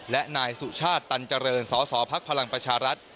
และนายสุชาตตร์ตัญจรณสอสอภักษ์พลังประชารัฐ